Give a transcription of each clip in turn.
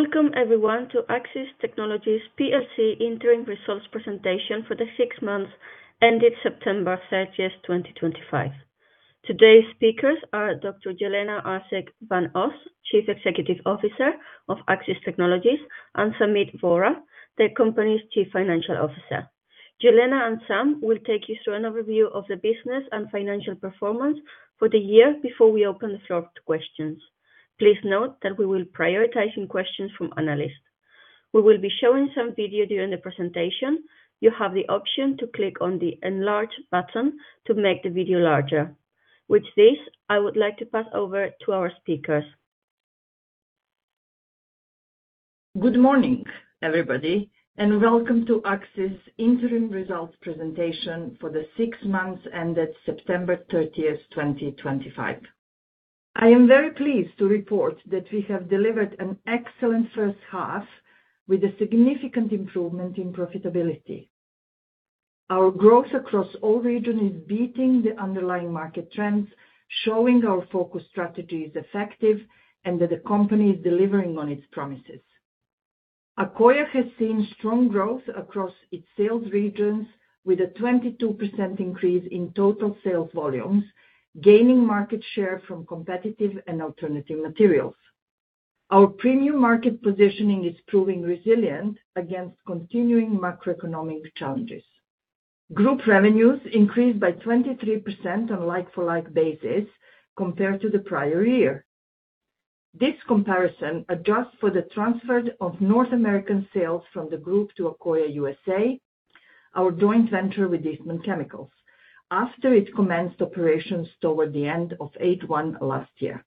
Welcome, everyone, to Accsys Technologies PLC Interim Results Presentation for the 6 months ending September 30, 2025. Today's speakers are Dr. Jelena Arsic van Os, Chief Executive Officer of Accsys Technologies, and Sameet Vohra, the company's Chief Financial Officer. Jelena and Sameet will take you through an overview of the business and financial performance for the year before we open the floor to questions. Please note that we will prioritize questions from Analysts. We will be showing some video during the presentation. You have the option to click on the enlarge button to make the video larger. With this, I would like to pass over to our speakers. Good morning, everybody, and welcome to Accsys' Interim Results Presentation for the Six Months ended September 30, 2025. I am very pleased to report that we have delivered an excellent first half with a significant improvement in profitability. Our growth across all regions is beating the underlying market trends, showing our focus strategy is effective and that the company is delivering on its promises. Accoya has seen strong growth across its sales regions, with a 22% increase in total sales volumes, gaining market share from competitive and alternative materials. Our premium market positioning is proving resilient against continuing macroeconomic challenges. Group revenues increased by 23% on a like-for-like basis compared to the prior year. This comparison adjusts for the transfer of North American sales from the group to Accoya USA., our joint venture with Eastman Chemical Company, after it commenced operations toward the end of 2024 last year.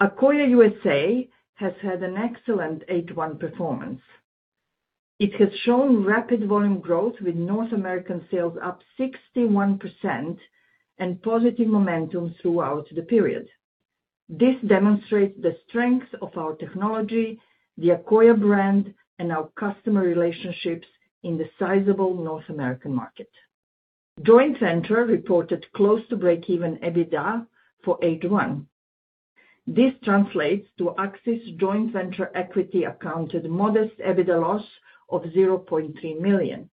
Accoya USA has had an excellent 2025 performance. It has shown rapid volume growth, with North American sales up 61% and positive momentum throughout the period. This demonstrates the strength of our technology, the Accoya Brand, and our customer relationships in the sizable North American Market. The joint venture reported close to break-even EBITDA for 2025. This translates to Accsys' joint venture equity accounted modest EBITDA loss of $0.3 million.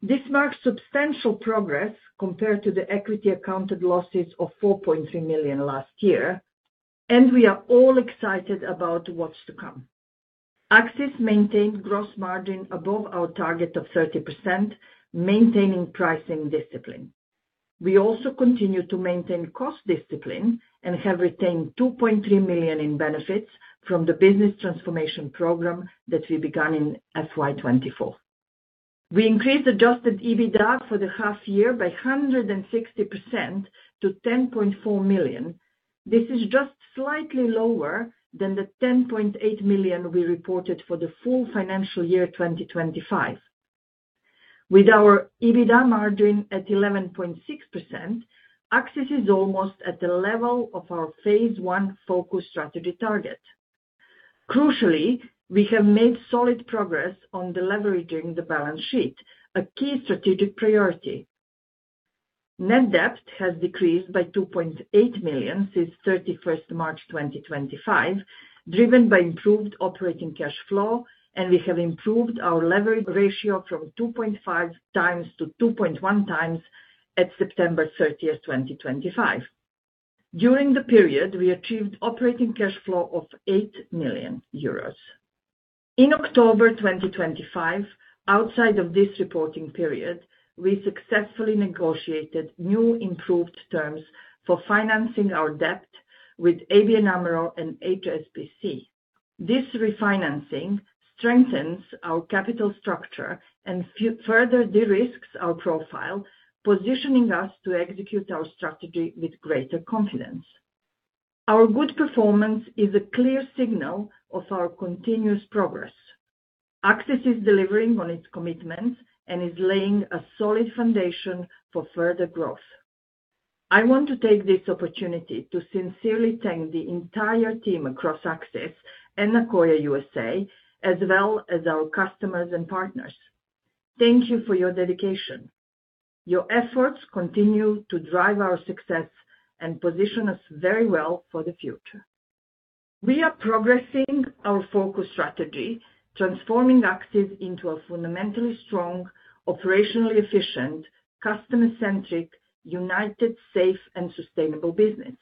This marks substantial progress compared to the equity accounted losses of $4.3 million last year, and we are all excited about what's to come. Accsys maintained gross margin above our target of 30%, maintaining pricing discipline. We also continue to maintain cost discipline and have retained $2.3 million in benefits from the business transformation program that we began in FY2024. We increased adjusted EBITDA for the half year by 160% to $10.4 million. This is just slightly lower than the $10.8 million we reported for the full financial year 2025. With our EBITDA margin at 11.6%, Accsys is almost at the level of our phase 1 focus strategy target. Crucially, we have made solid progress on leveraging the balance sheet, a key strategic priority. Net debt has decreased by $2.8 million since 31 March 2025, driven by improved operating cash flow, and we have improved our Leverage Ratio from 2.5x to 2.1x at September 30th 2025. During the period, we achieved operating cash flow of 8 million euros. In October 2025, outside of this reporting period, we successfully negotiated new improved terms for financing our debt with ABN AMRO and HSBC. This refinancing strengthens our capital structure and further de-risks our profile, positioning us to execute our strategy with greater confidence. Our good performance is a clear signal of our continuous progress. Accsys is delivering on its commitments and is laying a solid foundation for further growth. I want to take this opportunity to sincerely thank the entire team across Accsys and Accoya USA., as well as our customers and partners. Thank you for your dedication. Your efforts continue to drive our success and position us very well for the future. We are progressing our focus strategy, transforming Accsys into a fundamentally strong, operationally efficient, customer-centric, united, safe, and sustainable business.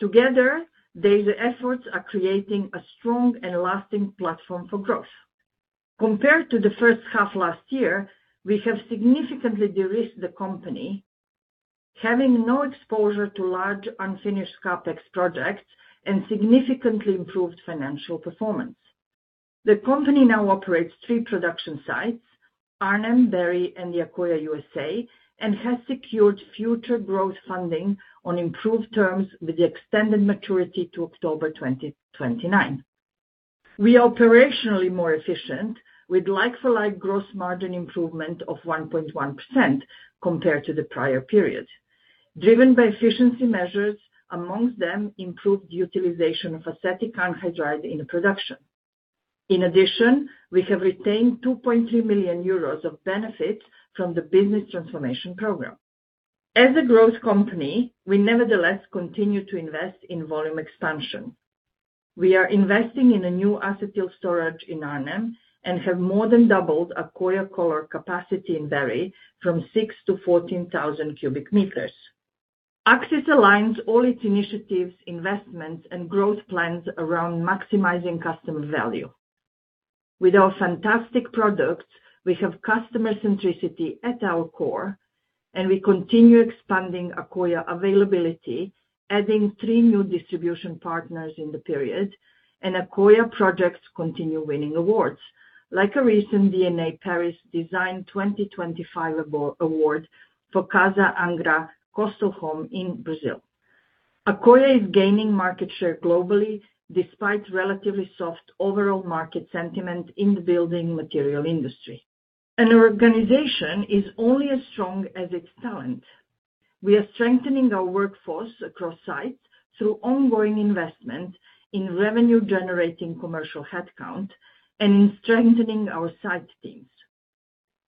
Together, these efforts are creating a strong and lasting platform for growth. Compared to the first half last year, we have significantly de-risked the company, having no exposure to large unfinished CapEx projects and significantly improved financial performance. The company now operates three production sites: Arnhem, Barry, and Accoya USA, and has secured future growth funding on improved terms with the extended maturity to October 2029. We are operationally more efficient with like-for-like gross margin improvement of 1.1% compared to the prior period, driven by efficiency measures, amongst them improved utilization of acetic anhydride in production. In addition, we have retained 2.3 million euros of benefits from the business transformation program. As a growth company, we nevertheless continue to invest in volume expansion. We are investing in a new Acetyl Storage in Arnhem and have more than doubled Accoya's capacity in Barry from 6,000 to 14,000 cubic meters. Accsys aligns all its initiatives, investments, and growth plans around maximizing customer value. With our fantastic products, we have customer-centricity at our core, and we continue expanding Accoya availability, adding three new distribution partners in the period, and Accoya projects continue winning awards, like a recent DNA Paris Design 2025 Award for Casa Angra Coastal Home in Brazil. Accoya is gaining market share globally despite relatively soft overall market sentiment in the building material industry. An organization is only as strong as its talent. We are strengthening our workforce across sites through ongoing investment in revenue-generating commercial headcount and in strengthening our site teams.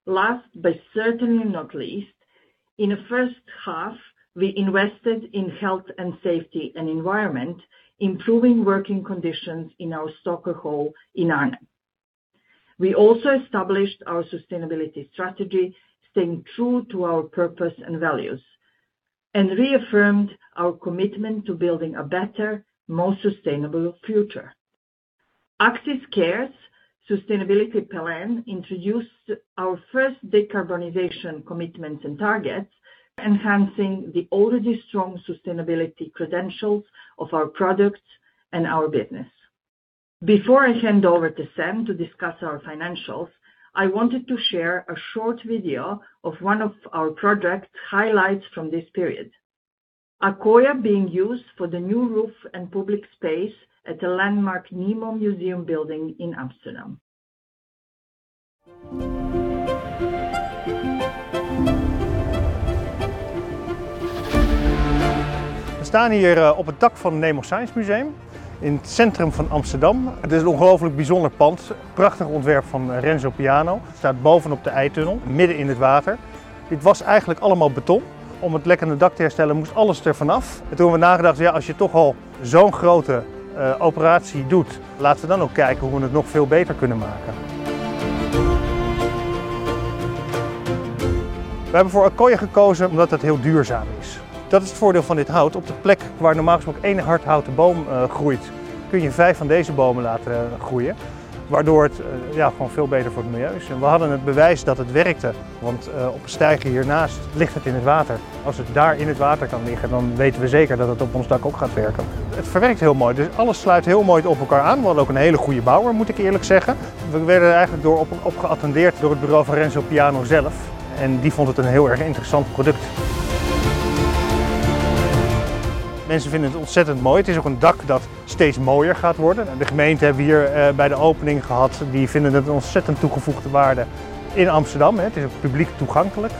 Last, but certainly not least, in the first half, we invested in health and safety and environment, improving working conditions in our Stacker Hall in Arnhem. We also established our sustainability strategy, staying true to our purpose and values, and reaffirmed our commitment to building a better, more sustainable future. Accsys Technologies' Sustainability Plan introduced our first Decarbonization Commitments and Targets, enhancing the already strong sustainability credentials of our products and our business. Before I hand over to Sameet to discuss our financials, I wanted to share a short video of one of our project highlights from this period: Accoya being used for the new roof and public space at the landmark NEMO Science Museum building in Amsterdam. We staan hier op het dak van het NEMO Science Museum in het centrum van Amsterdam. Het is een ongelooflijk bijzonder pand, een prachtig ontwerp van Renzo Piano. Het staat bovenop de IJ-tunnel, midden in het water. Dit was eigenlijk allemaal beton. Om het lekkende dak te herstellen, moest alles ervan af. Toen hebben we nagedacht: als je toch al zo'n grote operatie doet, laten we dan ook kijken hoe we het nog veel beter kunnen maken. We hebben voor Accoya gekozen omdat het heel duurzaam is. Dat is het voordeel van dit hout. Op de plek waar normaal gesproken één hardhouten boom groeit, kun je vijf van deze bomen laten groeien, waardoor het gewoon veel beter voor het milieu is. We hadden het bewijs dat het werkte, want op een steiger hiernaast ligt het in het water. Als het daar in het water kan liggen, dan weten we zeker dat het op ons dak ook gaat werken. Het verwerkt heel mooi, dus alles sluit heel mooi op elkaar aan. We hadden ook een hele goede bouwer, moet ik eerlijk zeggen. We werden eigenlijk opgeattendeerd door het bureau van Renzo Piano zelf, en die vond het een heel erg interessant product. Mensen vinden het ontzettend mooi. Het is ook een dak dat steeds mooier gaat worden. De gemeente hebben we hier bij de opening gehad. Die vinden het een ontzettend toegevoegde waarde in Amsterdam. Het is ook publiek toegankelijk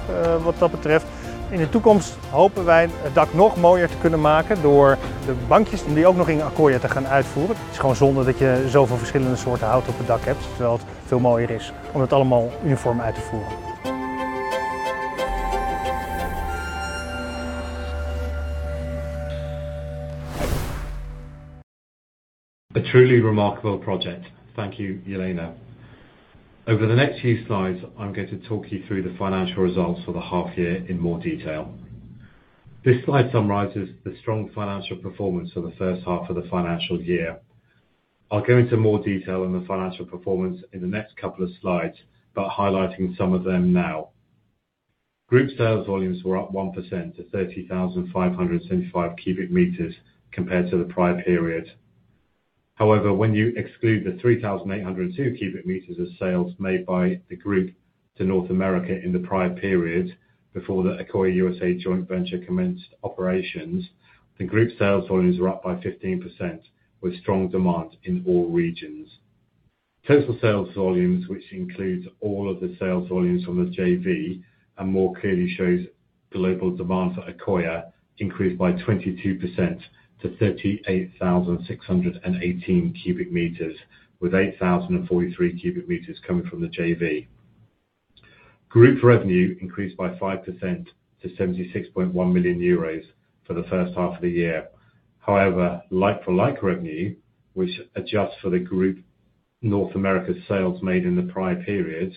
wat dat betreft. In de toekomst hopen wij het dak nog mooier te kunnen maken door de bankjes om die ook nog in Accoya te gaan uitvoeren. Het is gewoon zonde dat je zoveel verschillende soorten hout op het dak hebt, terwijl het veel mooier is om het allemaal uniform uit te voeren. A truly remarkable project. Thank you, Jelena. Over the next few slides, I'm going to talk you through the financial results for the half year in more detail. This slide summarizes the strong financial performance for the first half of the financial year. I'll go into more detail on the financial performance in the next couple of slides, but highlighting some of them now. Group sales volumes were up 1% to 30,575 cu.m. compared to the prior period. However, when you exclude the 3,802 cu.m. of sales made by the group to North America in the prior period before the Accoya USA joint venture commenced operations, the group sales volumes were up by 15%, with strong demand in all regions. Total sales volumes, which includes all of the sales volumes from the JV, more clearly shows global demand for Accoya increased by 22% to 38,618 cu.m., with 8,043 cu.m.coming from the JV. Group revenue increased by 5% to 76.1 million euros for the first half of the year. However, like-for-like revenue, which adjusts for the group North America sales made in the prior period,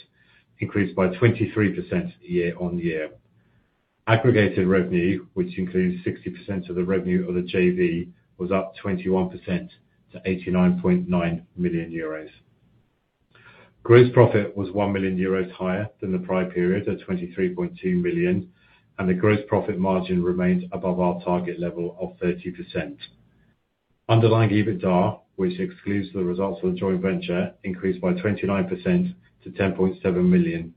increased by 23% year on year. Aggregated revenue, which includes 60% of the revenue of the JV, was up 21% to 89.9 million euros. Gross profit was 1 million euros higher than the prior period at 23.2 million, and the gross profit margin remained above our target level of 30%. Underlying EBITDA, which excludes the results of the joint venture, increased by 29% to 10.7 million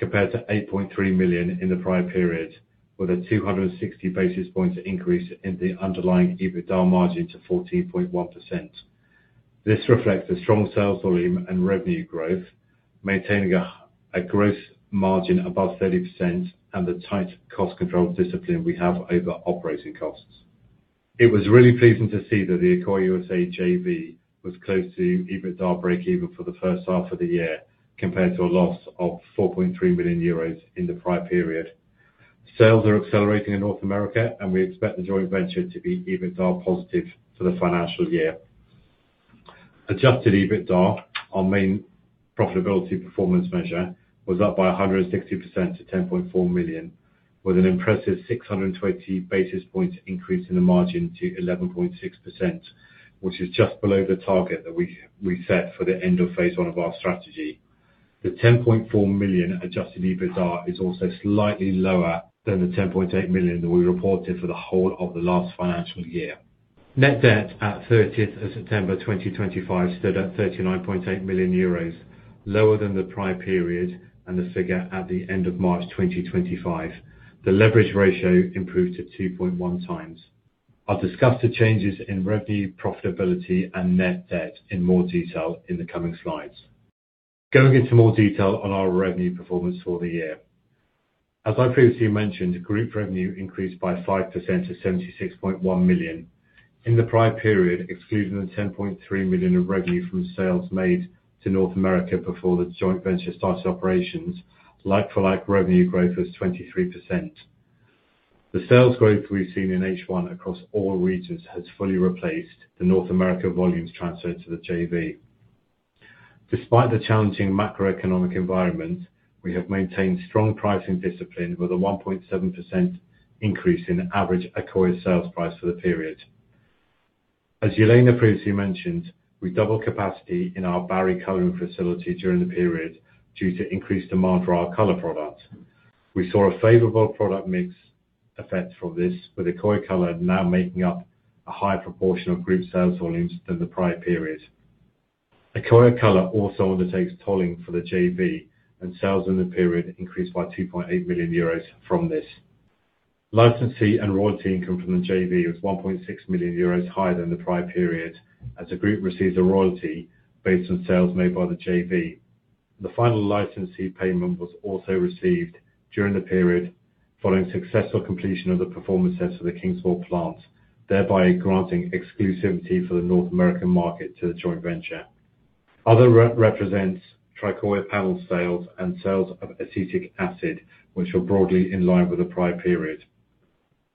compared to 8.3 million in the prior period, with a 260 basis points increase in the underlying EBITDA margin to 14.1%. This reflects the strong sales volume and revenue growth, maintaining a gross margin above 30% and the tight cost control discipline we have over operating costs. It was really pleasing to see that the Accoya USA JV was close to EBITDA break-even for the first half of the year compared to a loss of 4.3 million euros in the prior period. Sales are accelerating in North America, and we expect the joint venture to be EBITDA positive for the financial year. Adjusted EBITDA, our main profitability performance measure, was up by 160% to 10.4 million, with an impressive 620 basis points increase in the margin to 11.6%, which is just below the target that we set for the end of phase 1 of our strategy. The 10.4 million adjusted EBITDA is also slightly lower than the 10.8 million that we reported for the whole of the last financial year. Net debt at 30 September 2025 stood at 39.8 million euros, lower than the prior period and the figure at the end of March 2025. The leverage ratio improved to 2.1 times. I'll discuss the changes in revenue, profitability, and net debt in more detail in the coming slides. Going into more detail on our revenue performance for the year. As I previously mentioned, group revenue increased by 5% to 76.1 million. In the prior period, excluding the 10.3 million of revenue from sales made to North America before the joint venture started operations, like-for-like revenue growth was 23%. The sales growth we've seen in H1 across all regions has fully replaced the North America volumes transferred to the JV. Despite the challenging macroeconomic environment, we have maintained strong pricing discipline with a 1.7% increase in average Accoya sales price for the period. As Jelena previously mentioned, we doubled capacity in our Barry coloring facility during the period due to increased demand for our color products. We saw a favorable product mix effect from this, with Accoya Color now making up a higher proportion of group sales volumes than the prior period. Accoya Color also undertakes tolling for the JV, and sales in the period increased by 2.8 million euros from this. Licensee and royalty income from the JV was 1.6 million euros higher than the prior period, as the group receives a royalty based on sales made by the JV. The final licensee payment was also received during the period following successful completion of the performance test for the Kingsport Plant, thereby granting exclusivity for the North American market to the joint venture. Other represents Tricoya Panel Sales and Sales of acetic acid, which are broadly in line with the prior period.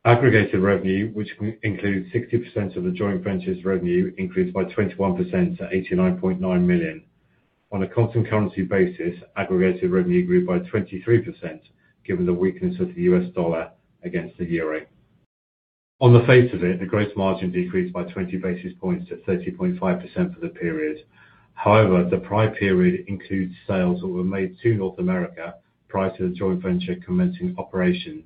Aggregated revenue, which includes 60% of the joint venture's revenue, increased by 21% to 89.9 million. On a constant currency basis, aggregated revenue grew by 23%, given the weakness of the US dollar against the euro. On the face of it, the gross margin decreased by 20 basis points to 30.5% for the period. However, the prior period includes sales that were made to North America prior to the joint venture commencing operations.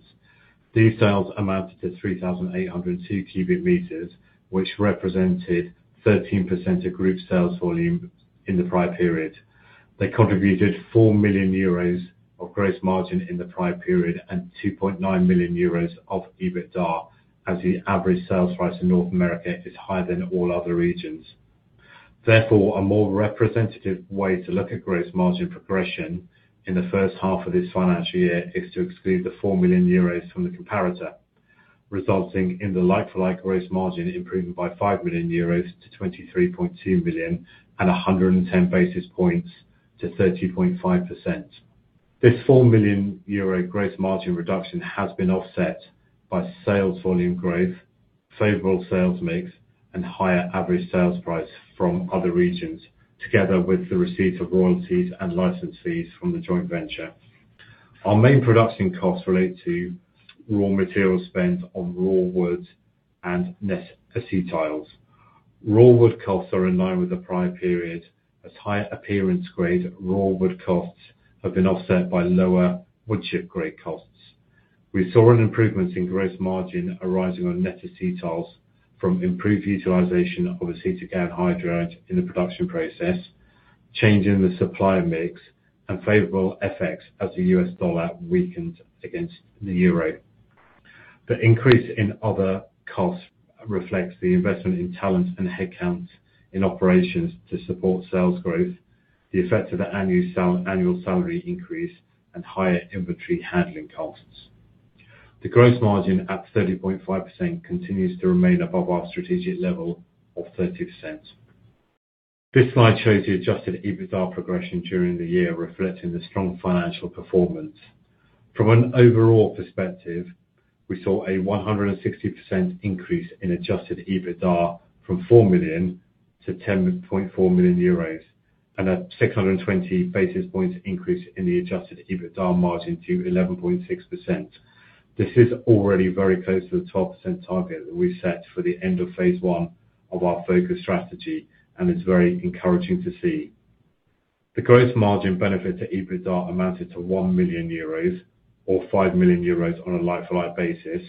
These sales amounted to 3,802 cubic meters, which represented 13% of group sales volume in the prior period. They contributed 4 million euros of gross margin in the prior period and 2.9 million euros of EBITDA, as the average sales price in North America is higher than all other regions. Therefore, a more representative way to look at gross margin progression in the first half of this financial year is to exclude the 4 million euros from the comparator, resulting in the like-for-like gross margin improving by 5 million euros to 23.2 million and 110 basis points to 30.5%. This 4 million euro gross margin reduction has been offset by sales volume growth, favorable sales mix, and higher average sales price from other regions, together with the receipt of royalties and license fees from the joint venture. Our main production costs relate to raw material spend on raw wood and net acetyls. Raw wood costs are in line with the prior period, as higher appearance grade raw wood costs have been offset by lower woodchip grade costs. We saw an improvement in gross margin arising on net acetyls from improved utilization of acetic anhydride in the production process, changing the supply mix, and favorable FX as the US dollar weakened against the euro. The increase in other costs reflects the investment in talent and headcount in operations to support sales growth, the effect of the annual salary increase, and higher inventory handling costs. The gross margin at 30.5% continues to remain above our strategic level of 30%. This slide shows the adjusted EBITDA progression during the year, reflecting the strong financial performance. From an overall perspective, we saw a 160% increase in adjusted EBITDA from 4 million to 10.4 million euros and a 620 basis points increase in the adjusted EBITDA margin to 11.6%. This is already very close to the 12% target that we set for the end of phase 1 of our focus strategy, and it's very encouraging to see. The gross margin benefit to EBITDA amounted to 1 million euros or 5 million euros on a like-for-like basis,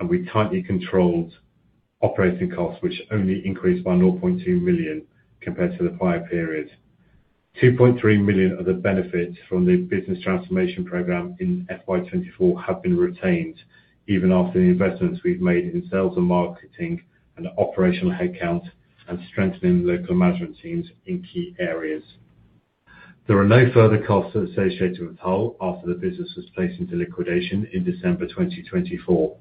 and we tightly controlled operating costs, which only increased by 0.2 million compared to the prior period. 2.3 million of the benefits from the business transformation program in FY24 have been retained, even after the investments we've made in sales and marketing and operational headcount and strengthening local management teams in key areas. There are no further costs associated with Hull after the business was placed into liquidation in December 2024.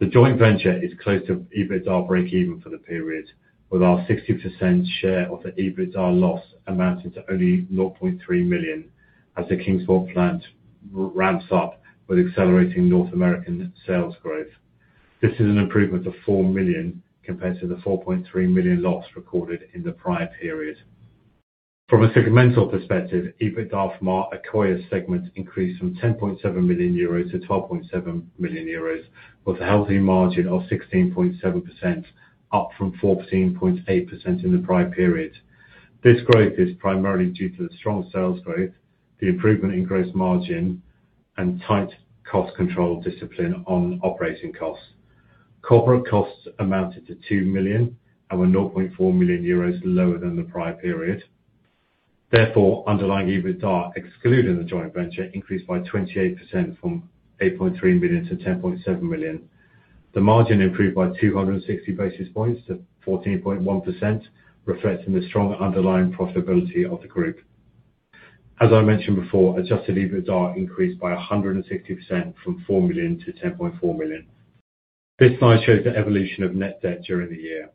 The joint venture is close to EBITDA break-even for the period, with our 60% share of the EBITDA loss amounting to only 0.3 million as the Kingsport Plant ramps up with accelerating North American sales growth. This is an improvement of 4 million compared to the 4.3 million loss recorded in the prior period. From a segmental perspective, EBITDA from our Accoya segment increased from 10.7 million euros to 12.7 million euros, with a healthy margin of 16.7%, up from 14.8% in the prior period. This growth is primarily due to the strong sales growth, the improvement in gross margin, and tight cost control discipline on operating costs. Corporate costs amounted to 2 million and were 0.4 million euros lower than the prior period. Therefore, underlying EBITDA, excluding the joint venture, increased by 28% from 8.3 million to 10.7 million. The margin improved by 260 basis points to 14.1%, reflecting the strong underlying profitability of the group. As I mentioned before, adjusted EBITDA increased by 160% from 4 million to 10.4 million. This slide shows the evolution of net debt during the year.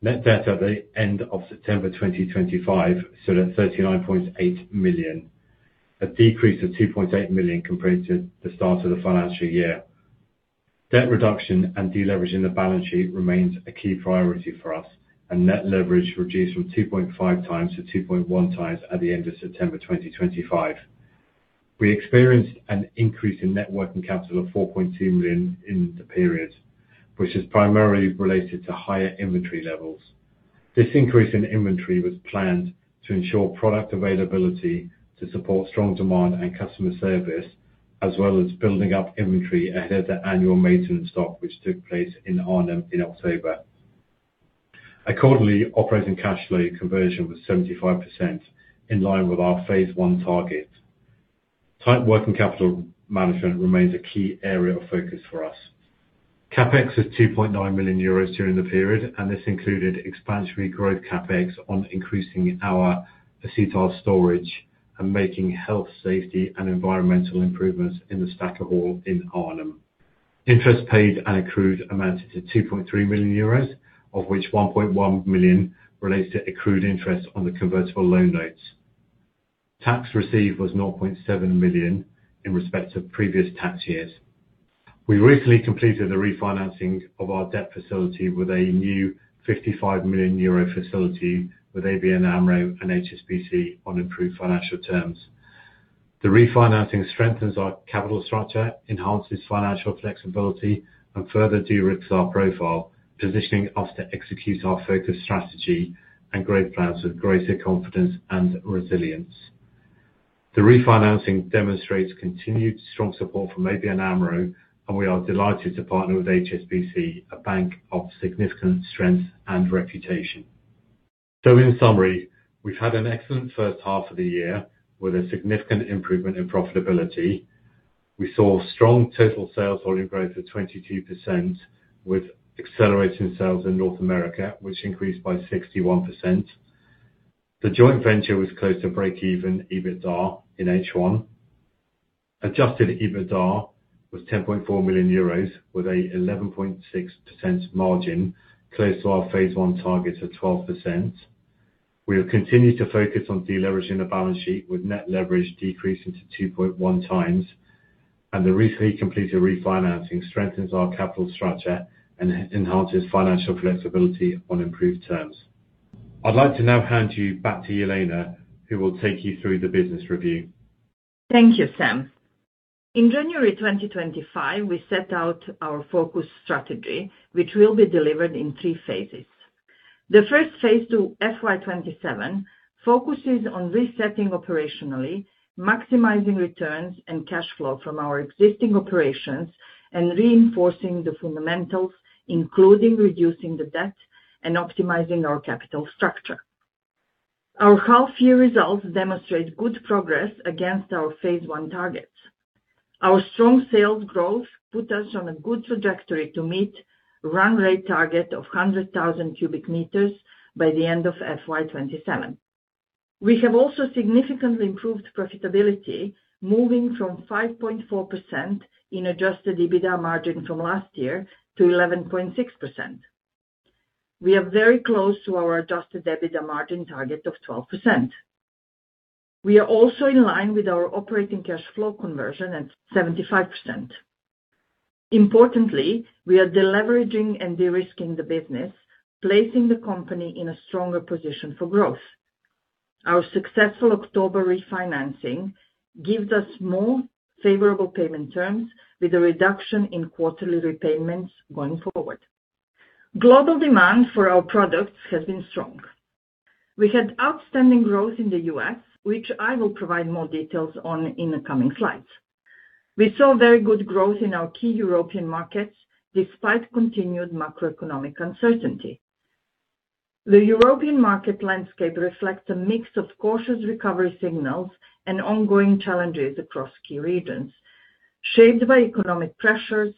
Net debt at the end of September 2025 stood at 39.8 million, a decrease of 2.8 million compared to the start of the financial year. Debt reduction and deleveraging the balance sheet remains a key priority for us, and net leverage reduced from 2.5 times to 2.1 times at the end of September 2025. We experienced an increase in net working capital of 4.2 million in the period, which is primarily related to higher inventory levels. This increase in inventory was planned to ensure product availability to support strong demand and customer service, as well as building up inventory ahead of the annual maintenance stock, which took place in Arnhem in October. Accordingly, operating cash flow conversion was 75%, in line with our phase 1 target. Tight working capital management remains a key area of focus for us. CapEx was 2.9 million euros during the period, and this included expansionary growth CapEx on increasing our acetyl storage and making health, safety, and environmental improvements in the Stacker Hall in Arnhem. Interest paid and accrued amounted to 2.3 million euros, of which 1.1 million relates to accrued interest on the convertible loan notes. Tax received was 0.7 million in respect to previous tax years. We recently completed the refinancing of our debt facility with a new 55 million euro facility with ABN AMRO and HSBC on improved financial terms. The refinancing strengthens our capital structure, enhances financial flexibility, and further de-risks our profile, positioning us to execute our focus strategy and growth plans with greater confidence and resilience. The refinancing demonstrates continued strong support from ABN AMRO, and we are delighted to partner with HSBC, a bank of significant strength and reputation. In summary, we've had an excellent first half of the year with a significant improvement in profitability. We saw strong total sales volume growth of 22% with accelerating sales in North America, which increased by 61%. The joint venture was close to break-even EBITDA in H1. Adjusted EBITDA was 10.4 million euros with an 11.6% margin, close to our phase 1 target of 12%. We have continued to focus on deleveraging the balance sheet, with net leverage decreasing to 2.1 times, and the recently completed refinancing strengthens our capital structure and enhances financial flexibility on improved terms. I'd like to now hand you back to Jelena, who will take you through the business review. Thank you, Sam. In January 2025, we set out our focus strategy, which will be delivered in three phases. The first phase to FY27 focuses on resetting operationally, maximizing returns and cash flow from our existing operations, and reinforcing the fundamentals, including reducing the debt and optimizing our capital structure. Our half-year results demonstrate good progress against our phase 1 targets. Our strong sales growth put us on a good trajectory to meet the run rate target of 100,000 cubic meters by the end of FY2027. We have also significantly improved profitability, moving from 5.4% in adjusted EBITDA margin from last year to 11.6%. We are very close to our adjusted EBITDA margin target of 12%. We are also in line with our operating cash flow conversion at 75%. Importantly, we are deleveraging and de-risking the business, placing the company in a stronger position for growth. Our successful October refinancing gives us more favorable payment terms, with a reduction in quarterly repayments going forward. Global demand for our products has been strong. We had outstanding growth in the US, which I will provide more details on in the coming slides. We saw very good growth in our key European markets despite continued macroeconomic uncertainty. The European market landscape reflects a mix of cautious recovery signals and ongoing challenges across key regions, shaped by economic pressures,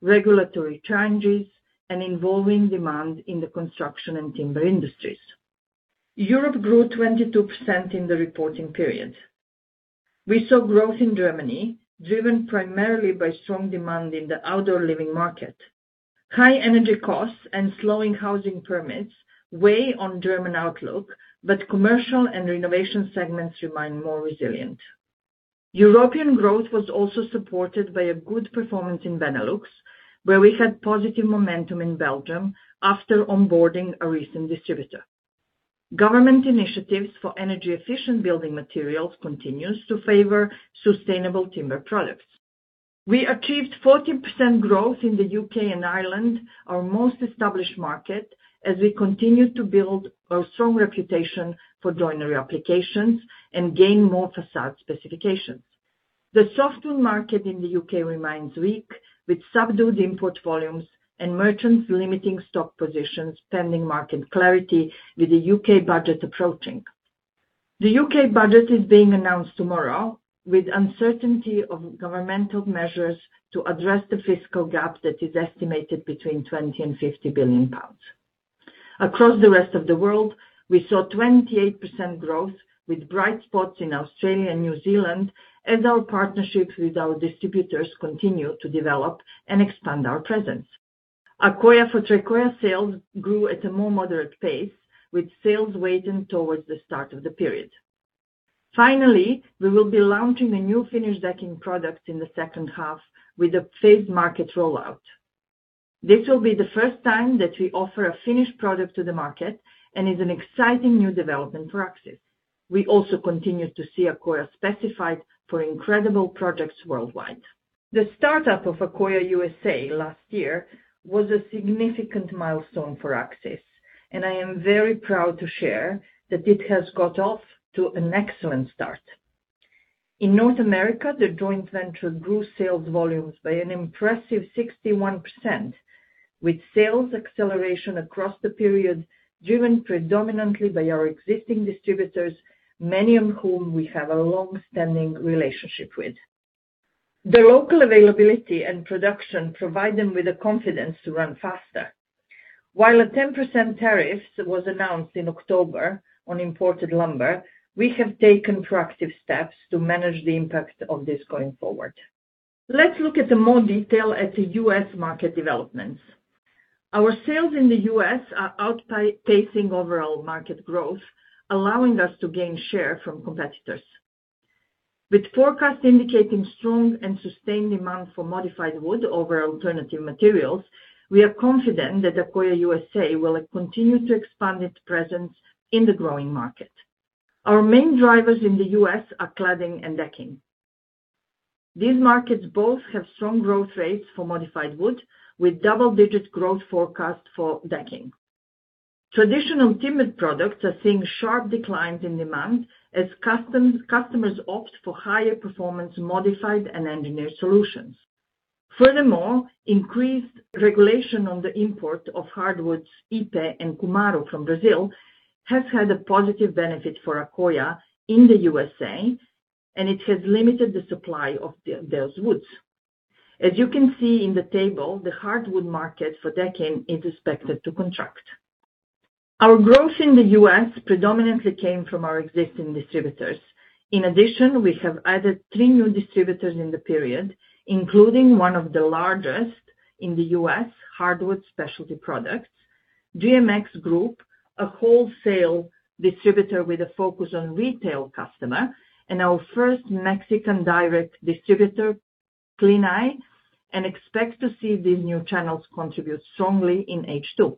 regulatory challenges, and evolving demand in the construction and timber industries. Europe grew 22% in the reporting period. We saw growth in Germany, driven primarily by strong demand in the outdoor living market. High energy costs and slowing housing permits weigh on German outlook, but commercial and renovation segments remain more resilient. European growth was also supported by a good performance in Benelux, where we had positive momentum in Belgium after onboarding a recent distributor. Government initiatives for energy-efficient building materials continue to favor sustainable timber products. We achieved 40% growth in the U.K. and Ireland, our most established market, as we continue to build our strong reputation for joinery applications and gain more facade specifications. The softwood market in the U.K. remains weak, with subdued import volumes and merchants limiting stock positions pending market clarity with the U.K. budget approaching. The U.K. budget is being announced tomorrow, with uncertainty of governmental measures to address the fiscal gap that is estimated between 20 billion-50 billion pounds. Across the rest of the world, we saw 28% growth, with bright spots in Australia and New Zealand as our partnerships with our distributors continue to develop and expand our presence. Accoya for Tricoya sales grew at a more moderate pace, with sales weighing towards the start of the period. Finally, we will be launching a new finished decking product in the second half with a phased market rollout. This will be the first time that we offer a finished product to the market, and it's an exciting new development for Accsys. We also continue to see Accoya specified for incredible projects worldwide. The startup of Accoya USA last year was a significant milestone for Accsys, and I am very proud to share that it has got off to an excellent start. In North America, the joint venture grew sales volumes by an impressive 61%, with sales acceleration across the period driven predominantly by our existing distributors, many of whom we have a long-standing relationship with. The local availability and production provide them with the confidence to run faster. While a 10% tariff was announced in October on imported lumber, we have taken proactive steps to manage the impact of this going forward. Let's look at more detail at the US market developments. Our sales in the U.S. are outpacing overall market growth, allowing us to gain share from competitors. With forecasts indicating strong and sustained demand for modified wood over alternative materials, we are confident that Accoya USA will continue to expand its presence in the growing market. Our main drivers in the U.S. are cladding and decking. These markets both have strong growth rates for modified wood, with double-digit growth forecasts for decking. Traditional timber products are seeing sharp declines in demand as customers opt for higher-performance modified and engineered solutions. Furthermore, increased regulation on the import of hardwoods, ipê and cumaru from Brazil has had a positive benefit for Accoya in the U.S., and it has limited the supply of those woods. As you can see in the table, the hardwood market for decking is expected to contract. Our growth in the U.S. predominantly came from our existing distributors. In addition, we have added three new distributors in the period, including one of the largest in the US hardwood specialty products, GMX Group, a wholesale distributor with a focus on retail customers, and our first Mexican direct distributor, Klinai, and expect to see these new channels contribute strongly in H2.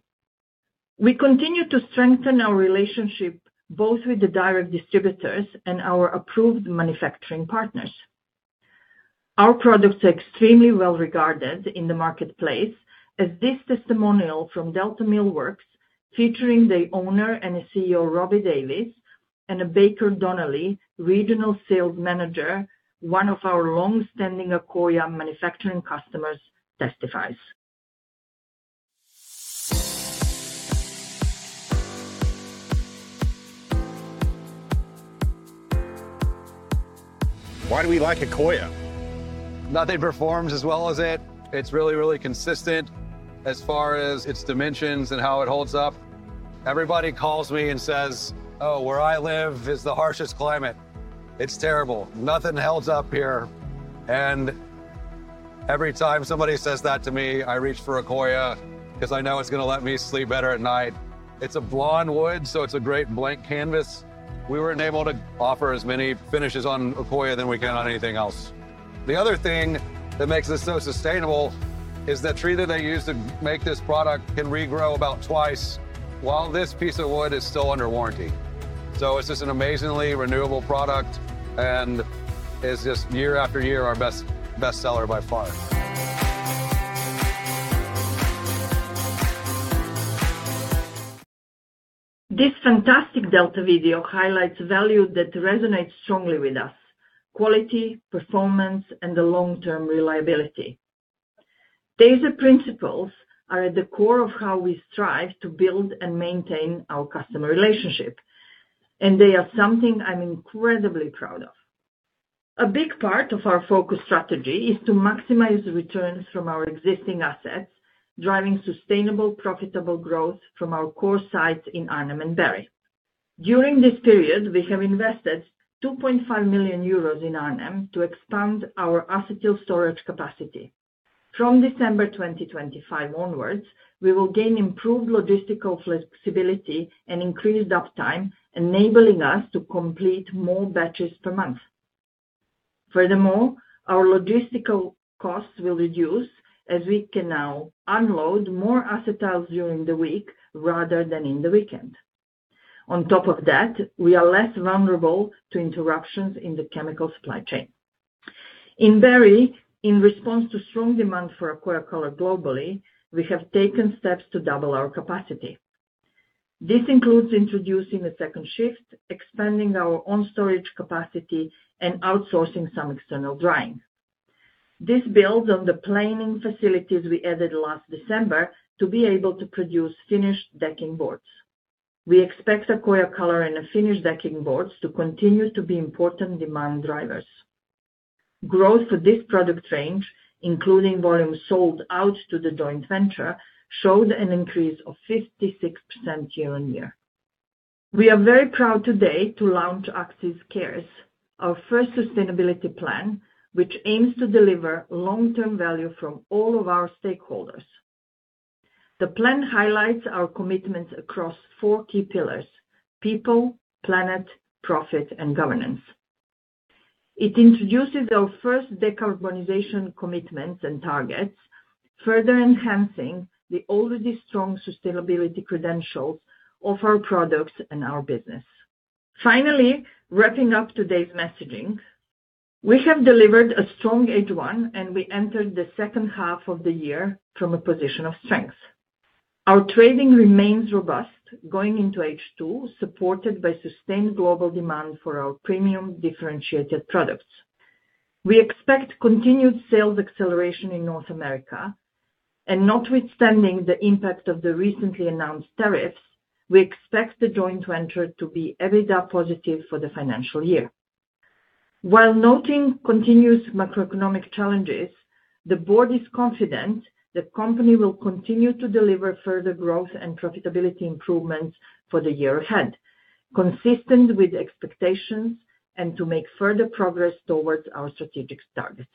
We continue to strengthen our relationship both with the direct distributors and our approved manufacturing partners. Our products are extremely well regarded in the marketplace, as this testimonial from Delta Millworks, featuring the owner and CEO, Robby Davies, and Baker Donnelly, Regional Sales Manager, one of our long-standing Accoya manufacturing customers, testifies. Why do we like Accoya? Nothing performs as well as it. It's really, really consistent as far as its dimensions and how it holds up. Everybody calls me and says, "Oh, where I live is the harshest climate." It's terrible. Nothing holds up here. Every time somebody says that to me, I reach for Accoya because I know it's going to let me sleep better at night. It's a blond wood, so it's a great blank canvas. We weren't able to offer as many finishes on Accoya as we can on anything else. The other thing that makes this so sustainable is the tree that they used to make this product can regrow about twice while this piece of wood is still under warranty. It's just an amazingly renewable product, and it's just year after year our best seller by far. This fantastic Delta video highlights value that resonates strongly with us: quality, performance, and long-term reliability. These principles are at the core of how we strive to build and maintain our customer relationship, and they are something I'm incredibly proud of. A big part of our focus strategy is to maximize returns from our existing assets, driving sustainable, profitable growth from our core sites in Arnhem and Barry. During this period, we have invested 2.5 million euros in Arnhem to expand our acetyl storage capacity. From December 2025 onwards, we will gain improved logistical flexibility and increased uptime, enabling us to complete more batches per month. Furthermore, our logistical costs will reduce as we can now unload more acetyls during the week rather than in the weekend. On top of that, we are less vulnerable to interruptions in the chemical supply chain. In Barry, in response to strong demand for Accoya Color globally, we have taken steps to double our capacity. This includes introducing a second shift, expanding our own storage capacity, and outsourcing some external drying. This builds on the planning facilities we added last December to be able to produce finished decking boards. We expect Accoya Color and finished decking boards to continue to be important demand drivers. Growth for this product range, including volume sold out to the joint venture, showed an increase of 56% year on year. We are very proud today to launch Accsys Cares, our first sustainability plan, which aims to deliver long-term value from all of our stakeholders. The plan highlights our commitments across four key pillars: people, planet, profit, and governance. It introduces our first decarbonization commitments and targets, further enhancing the already strong sustainability credentials of our products and our business. Finally, wrapping up today's messaging, we have delivered a strong H1, and we entered the second half of the year from a position of strength. Our trading remains robust going into H2, supported by sustained global demand for our premium differentiated products. We expect continued sales acceleration in North America, and notwithstanding the impact of the recently announced tariffs, we expect the joint venture to be EBITDA positive for the financial year. While noting continuous macroeconomic challenges, the board is confident the company will continue to deliver further growth and profitability improvements for the year ahead, consistent with expectations, and to make further progress towards our strategic targets.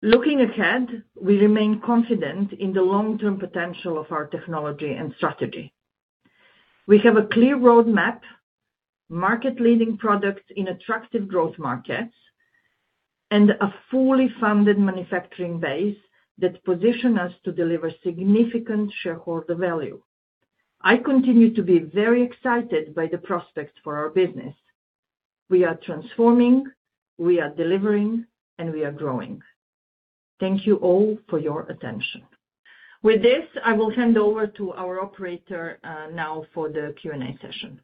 Looking ahead, we remain confident in the long-term potential of our technology and strategy. We have a clear roadmap, market-leading products in attractive growth markets, and a fully funded manufacturing base that positions us to deliver significant shareholder value. I continue to be very excited by the prospects for our business. We are transforming, we are delivering, and we are growing. Thank you all for your attention. With this, I will hand over to our operator now for the Q&A session.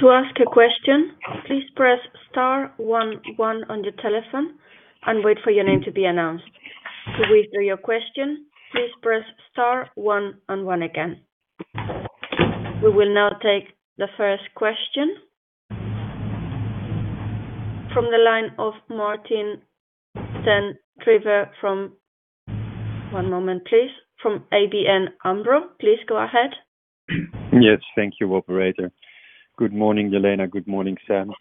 To ask a question, please press star one one on your telephone and wait for your name to be announced. To withdraw your question, please press star one one again. We will now take the first question from the line of Martin van der Rijt. One moment, please. From ABN AMRO Yes, thank you, operator. Good morning, Jelena. Good morning, Sameet.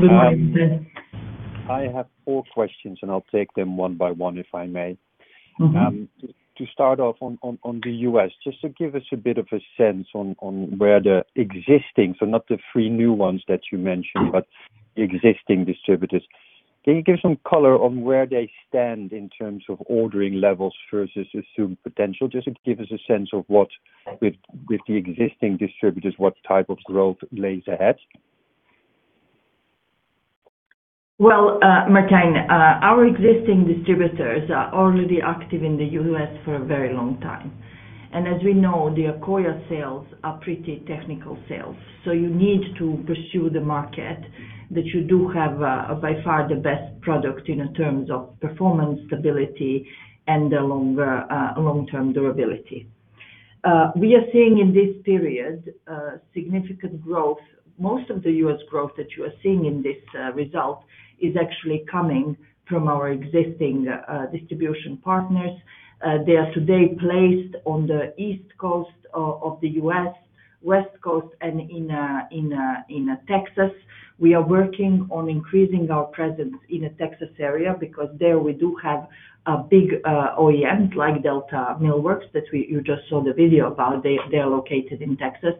Good morning, Sameet. I have four questions, and I'll take them one by one if I may. To start off on the U.S., just to give us a bit of a sense on where the existing, so not the three new ones that you mentioned, but existing distributors, can you give some color on where they stand in terms of ordering levels versus assumed potential? Just to give us a sense of what with the existing distributors, what type of growth lays ahead. Martin, our existing distributors are already active in the US for a very long time. As we know, the Accoya sales are pretty technical sales. You need to pursue the market that you do have by far the best product in terms of performance, stability, and long-term durability. We are seeing in this period significant growth. Most of the U.S. growth that you are seeing in this result is actually coming from our existing distribution partners. They are today placed on the East Coast of the U.S., West Coast, and in Texas. We are working on increasing our presence in the Texas area because there we do have a big OEM like Delta Millworks that you just saw the video about. They are located in Texas,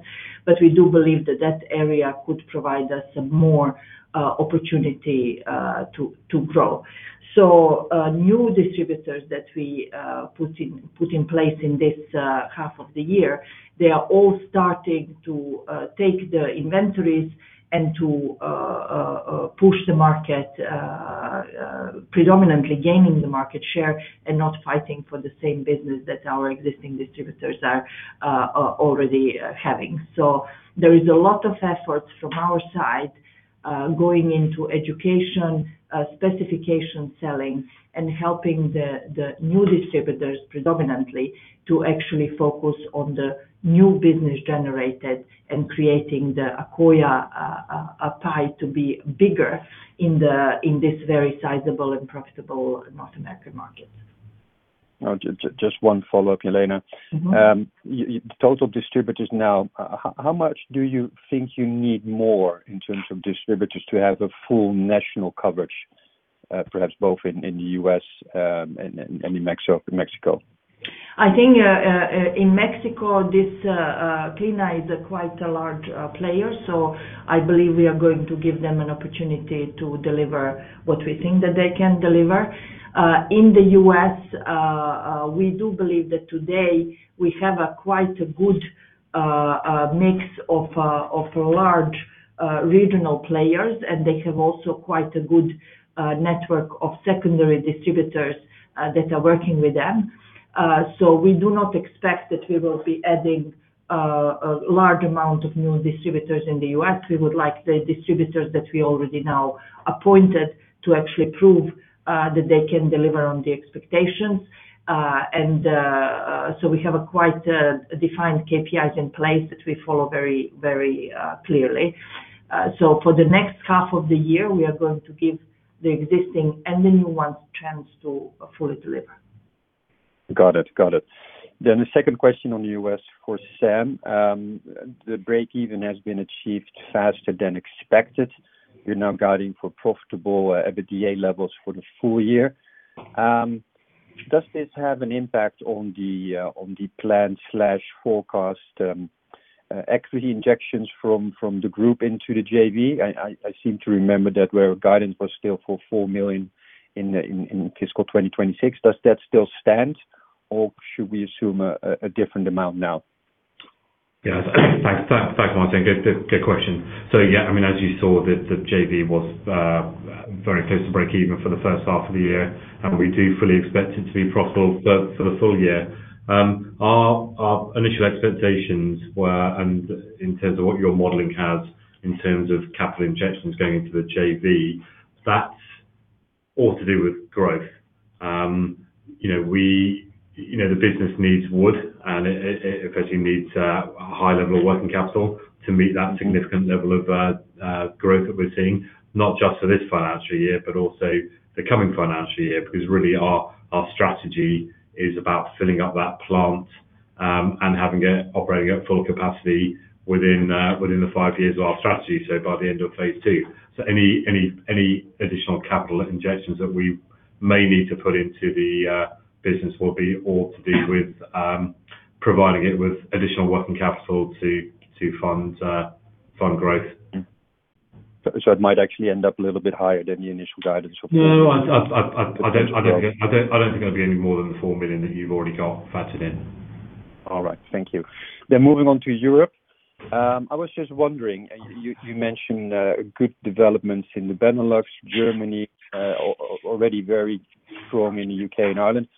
but we do believe that that area could provide us more opportunity to grow. New distributors that we put in place in this half of the year, they are all starting to take the inventories and to push the market, predominantly gaining the market share and not fighting for the same business that our existing distributors are already having. There is a lot of efforts from our side going into education, specification selling, and helping the new distributors predominantly to actually focus on the new business generated and creating the Accoya pie to be bigger in this very sizable and profitable North American Market. Just one follow-up, Jelena. The total distributors now, how much do you think you need more in terms of distributors to have a full national coverage, perhaps both in the U.S. and in Mexico? I think in Mexico, Klinai is quite a large player, so I believe we are going to give them an opportunity to deliver what we think that they can deliver. In the US, we do believe that today we have quite a good mix of large regional players, and they have also quite a good network of secondary distributors that are working with them. We do not expect that we will be adding a large amount of new distributors in the US. We would like the distributors that we already know appointed to actually prove that they can deliver on the expectations. We have quite defined KPIs in place that we follow very clearly. For the next half of the year, we are going to give the existing and the new ones a chance to fully deliver. Got it. Got it. The second question on the US for Sam. The break-even has been achieved faster than expected. You're now guiding for profitable EBITDA levels for the full year. Does this have an impact on the plan/forecast equity injections from the group into the JV? I seem to remember that guidance was still for €4 million in fiscal 2026. Does that still stand, or should we assume a different amount now? Yes. Thanks, Martin. Good question. Yeah, I mean, as you saw, the JV was very close to break-even for the first half of the year, and we do fully expect it to be profitable for the full year. Our initial expectations were, and in terms of what your modeling has in terms of capital injections going into the JV, that's all to do with growth. The business needs wood, and it effectively needs a high level of working capital to meet that significant level of growth that we're seeing, not just for this financial year, but also the coming financial year, because really our strategy is about filling up that plant and having it operating at full capacity within the five years of our strategy, by the end of phase two. Any additional capital injections that we may need to put into the business will be all to do with providing it with additional working capital to fund growth. It might actually end up a little bit higher than the initial guidance of. No, I do not think it will be any more than the 4 million that you have already got factored in. All right. Thank you. Moving on to Europe, I was just wondering, you mentioned good developments in the Benelux, Germany, already very strong in the U.K. and Ireland,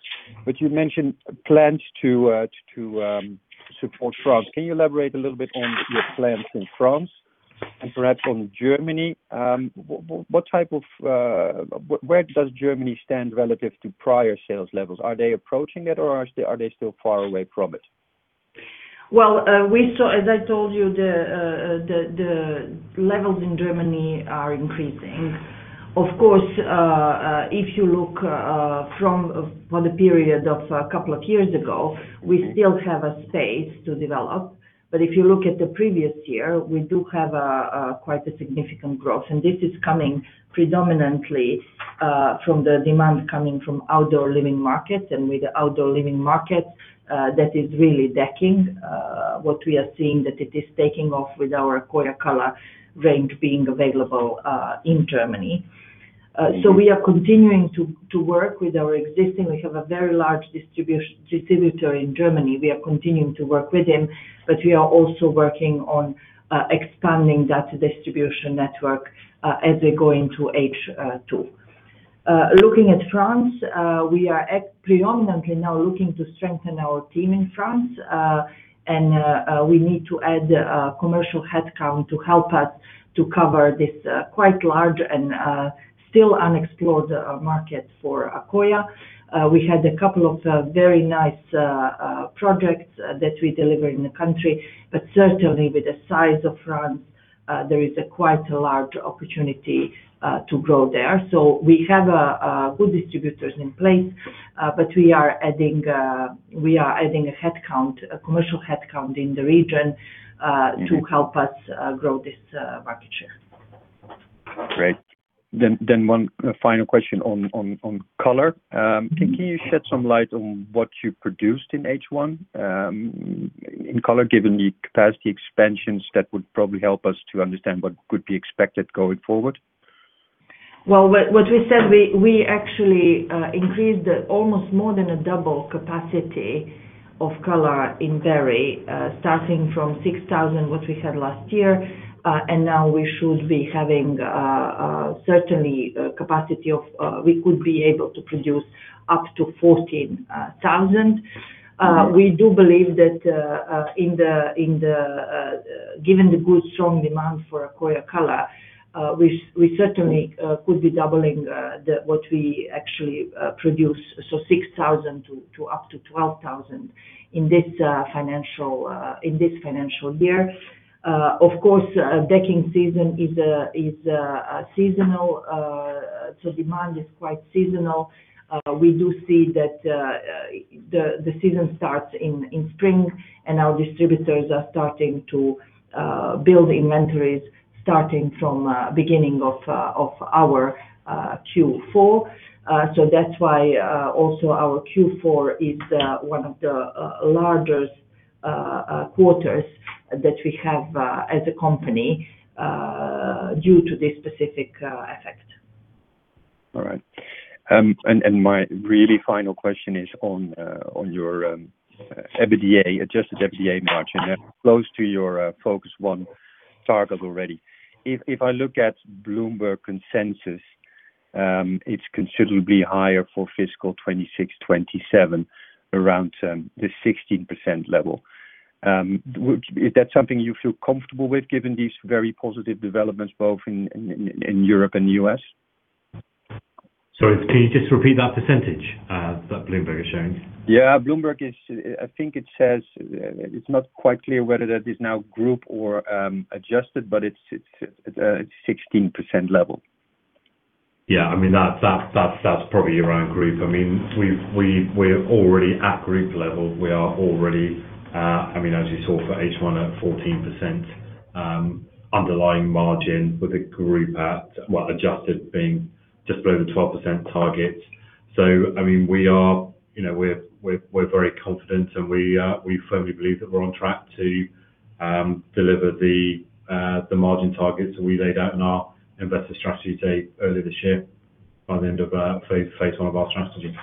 but you mentioned plans to support France. Can you elaborate a little bit on your plans in France and perhaps on Germany? What type of where does Germany stand relative to prior sales levels? Are they approaching it, or are they still far away from it? As I told you, the levels in Germany are increasing. Of course, if you look from the period of a couple of years ago, we still have a space to develop. If you look at the previous year, we do have quite a significant growth, and this is coming predominantly from the demand coming from outdoor living markets. With the outdoor living markets, that is really decking. What we are seeing is that it is taking off with our Accoya Color range being available in Germany. We are continuing to work with our existing—we have a very large distributor in Germany. We are continuing to work with them, but we are also working on expanding that distribution network as we go into H2. Looking at France, we are predominantly now looking to strengthen our team in France, and we need to add commercial headcount to help us to cover this quite large and still unexplored market for Accoya. We had a couple of very nice projects that we delivered in the country, but certainly with the size of France, there is quite a large opportunity to grow there. We have good distributors in place, but we are adding a headcount, a commercial headcount in the region to help us grow this market share. Great. One final question on color. Can you shed some light on what you produced in H1 in color, given the capacity expansions that would probably help us to understand what could be expected going forward? What we said, we actually increased almost more than a double capacity of color in Barry, starting from 6,000, what we had last year. Now we should be having certainly a capacity of we could be able to produce up to 14,000. We do believe that given the good strong demand for Accoya Color, we certainly could be doubling what we actually produce, so 6,000 to up to 12,000 in this financial year. Of course, decking season is seasonal, so demand is quite seasonal. We do see that the season starts in spring, and our distributors are starting to build inventories starting from the beginning of our Q4. That is why also our Q4 is one of the largest quarters that we have as a company due to this specific effect. All right. And my really final question is on your adjusted EBITDA margin. Close to your focus one target already. If I look at Bloomberg Consensus, it is considerably higher for fiscal 2026/2027, around the 16% level. Is that something you feel comfortable with given these very positive developments both in Europe and the U.S.? Sorry, can you just repeat that percentage that Bloomberg is showing? Yeah, Bloomberg, I think it says it is not quite clear whether that is now group or adjusted, but it is 16% level. Yeah, I mean, that's probably your own group. I mean, we're already at group level. We are already, I mean, as you saw for H1 at 14% underlying margin with a group at, adjusted being just below the 12% target. I mean, we are very confident, and we firmly believe that we're on track to deliver the margin targets that we laid out in our investor strategy date earlier this year by the end of phase one of our strategy.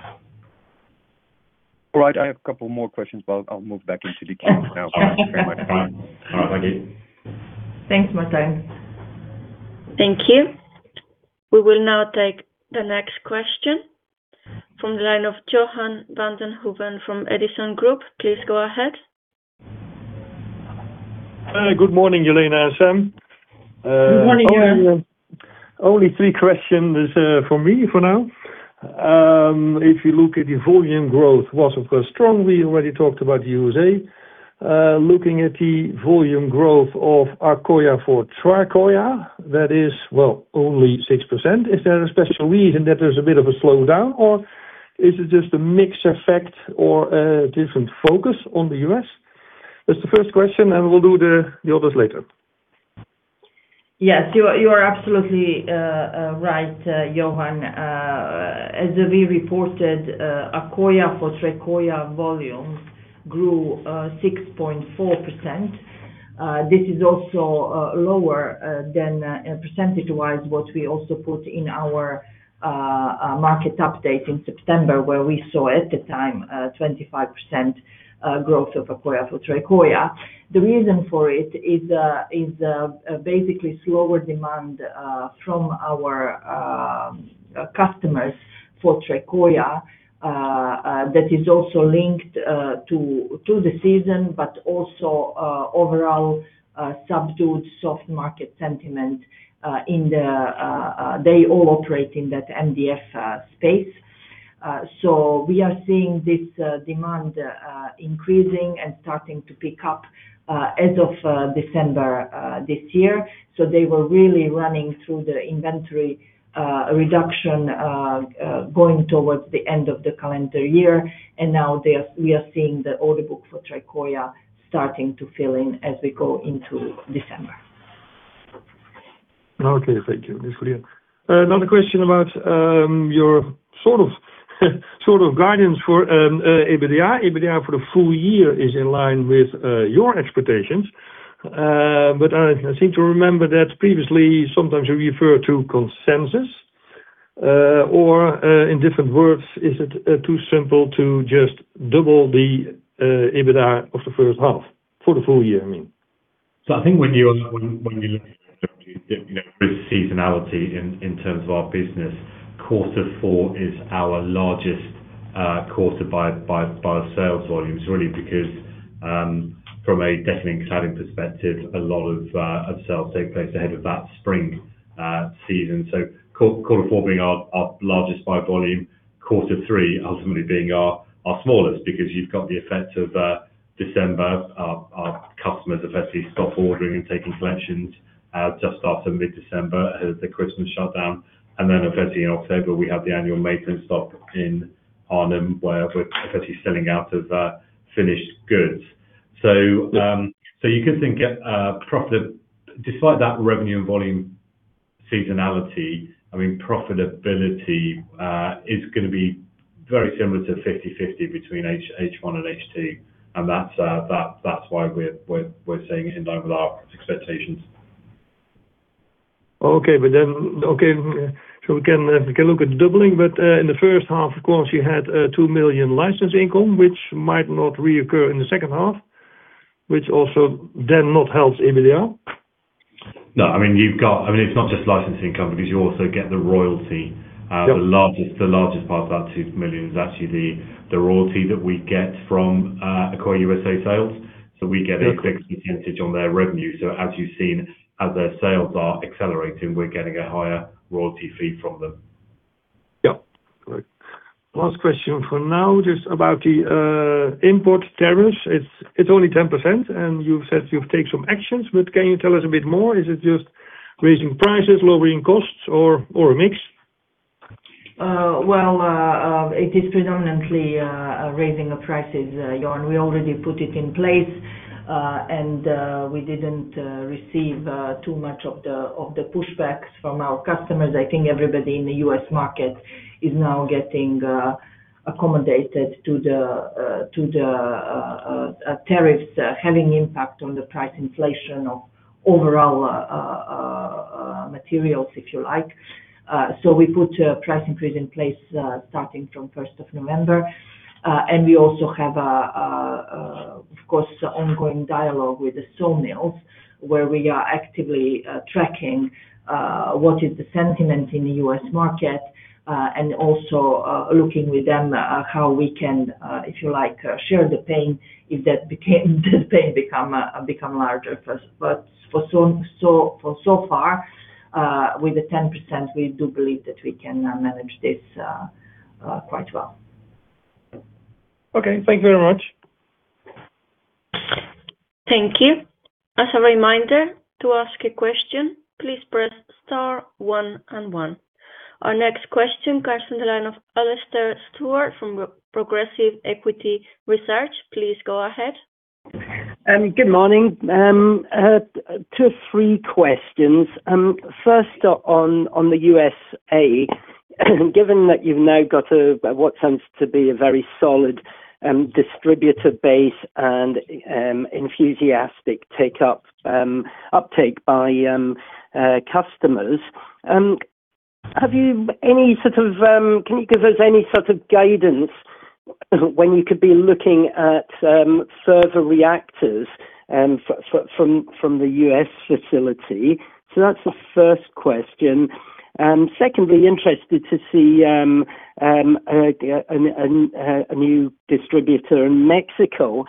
All right. I have a couple more questions, but I'll move back into the queue now. Thank you very much. All right. Thank you. Thanks, Martin. Thank you. We will now take the next question from the line of Johan van den Hooven from Edison Group. Please go ahead. Good morning, Jelena. Sam. Good morning, Johan. Only three questions from me for now. If you look at the volume growth, it was, of course, strong. We already talked about the USA. Looking at the volume growth of Accoya for Tricoya, that is, well, only 6%. Is there a special reason that there's a bit of a slowdown, or is it just a mixed effect or a different focus on the US? That's the first question, and we'll do the others later. Yes, you are absolutely right, Johan. As we reported, Accoya for Tricoya volume grew 6.4%. This is also lower than percentage-wise what we also put in our market update in September, where we saw at the time 25% growth of Accoya for Tricoya. The reason for it is basically slower demand from our customers for Tricoya. That is also linked to the season, but also overall subdued soft market sentiment in the they all operate in that MDF space. We are seeing this demand increasing and starting to pick up as of December this year. They were really running through the inventory reduction going towards the end of the calendar year. Now we are seeing the order book for Tricoya starting to fill in as we go into December. Okay. Thank you. That's clear. Another question about your sort of guidance for EBITDA. EBITDA for the full year is in line with your expectations, but I seem to remember that previously sometimes you refer to consensus. In different words, is it too simple to just double the EBITDA of the first half for the full year, I mean? I think when you look at the seasonality in terms of our business, quarter four is our largest quarter by sales volumes, really, because from a decking and cladding perspective, a lot of sales take place ahead of that spring season. Quarter four being our largest by volume, quarter three ultimately being our smallest because you have the effect of December. Our customers effectively stop ordering and taking collections just after mid-December, the Christmas shutdown. Then effectively in October, we have the annual maintenance stop in Arnhem where we are effectively selling out of finished goods. You could think despite that revenue and volume seasonality, profitability is going to be very similar to 50/50 between H1 and H2. That is why we are saying it is in line with our expectations. Okay. We can look at the doubling, but in the first half, of course, you had 2 million license income, which might not reoccur in the second half, which also then not helps EBITDA. No. I mean, it's not just license income because you also get the royalty. The largest part of that 2 million is actually the royalty that we get from Accoya USA sales. We get a fixed percentage on their revenue. As you've seen, as their sales are accelerating, we're getting a higher royalty fee from them. Yeah. Correct. Last question for now, just about the import tariffs. It's only 10%, and you've said you've taken some actions, but can you tell us a bit more? Is it just raising prices, lowering costs, or a mix? It is predominantly raising the prices, Johan. We already put it in place, and we did not receive too much of the pushbacks from our customers. I think everybody in the US market is now getting accommodated to the tariffs, having impact on the price inflation of overall materials, if you like. We put a price increase in place starting from 1st of November. We also have, of course, ongoing dialogue with the sawmills where we are actively tracking what is the sentiment in the US market and also looking with them how we can, if you like, share the pain if that pain becomes larger. For so far, with the 10%, we do believe that we can manage this quite well. Okay. Thank you very much. Thankyou. As a reminder to ask a question, please press star one and one. Our next question comes from the line of Alastair Stewart from Progressive Equity Research. Please go ahead. Good morning. Two or three questions. First, on the U.S.A., given that you've now got what seems to be a very solid distributor base and enthusiastic uptake by customers, have you any sort of can you give us any sort of guidance when you could be looking at further reactors from the U.S. facility? That is the first question. Secondly, interested to see a new distributor in Mexico.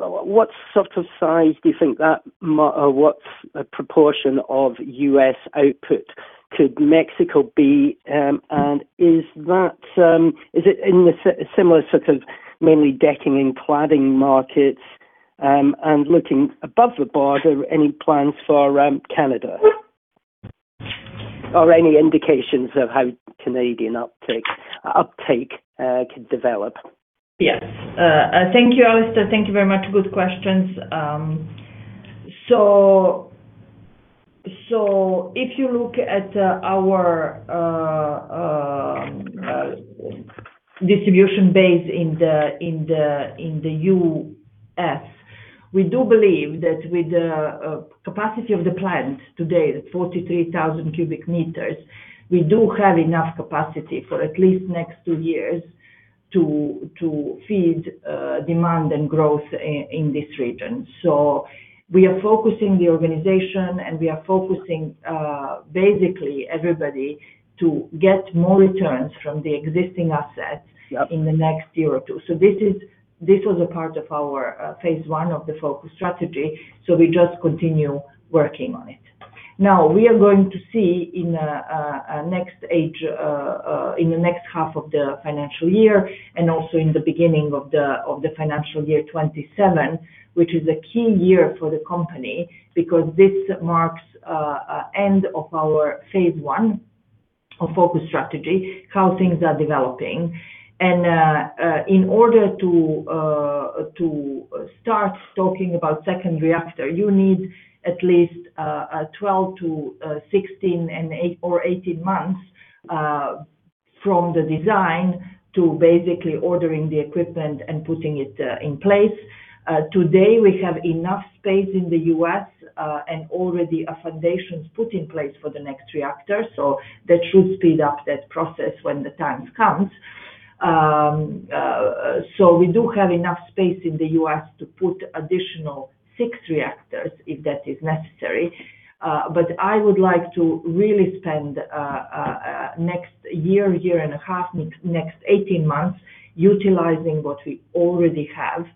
What sort of size do you think that, what is a proportion of U.S. output could Mexico be? Is it in a similar sort of mainly decking and cladding markets and looking above the border, any plans for Canada or any indications of how Canadian uptake could develop? Yes. Thank you, Alastair. Thank you very much. Good questions. If you look at our distribution base in the U.S., we do believe that with the capacity of the plant today, 43,000 cubic meters, we do have enough capacity for at least the next two years to feed demand and growth in this region. We are focusing the organization, and we are focusing basically everybody to get more returns from the existing assets in the next year or two. This was a part of our phase one of the focus strategy. We just continue working on it. Now, we are going to see in the next half of the financial year and also in the beginning of the financial year 2027, which is a key year for the company because this marks the end of our phase one of focus strategy, how things are developing. In order to start talking about second reactor, you need at least 12-16 or 18 months from the design to basically ordering the equipment and putting it in place. Today, we have enough space in the U.S. and already a foundation put in place for the next reactor. That should speed up that process when the time comes. We do have enough space in the U.S. to put additional six reactors if that is necessary. I would like to really spend next year, year and a half, next 18 months utilizing what we already have.